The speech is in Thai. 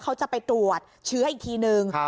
เขาจะไปตรวจเชื้ออีกทีนึง